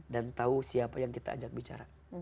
dan tahu siapa yang kita ajak bicara